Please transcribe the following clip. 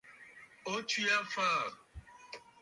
O tswe aa fa?